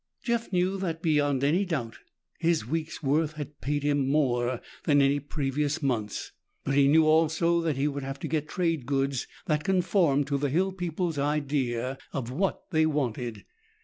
Jeff knew that, beyond any doubt, his week's work had paid him more than any previous month's. But he knew also that he would have to get trade goods that conformed to the hill people's idea of what they wanted.